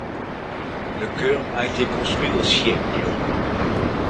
Le chœur a été construit au siècle.